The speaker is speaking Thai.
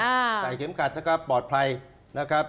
ใส่เข็มขัดนะครับปลอดภัยนะครับ